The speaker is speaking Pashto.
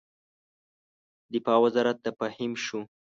د دفاع وزارت د فهیم شو.